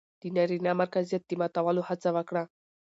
د نرينه مرکزيت د ماتولو هڅه وکړه